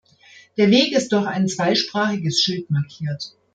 Der Weg ist durch ein zweisprachiges Schild markiert.